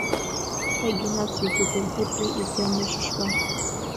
Ҳәагьы нациҵеит, — рҳәеит уи иӡамҩа шьышьуа.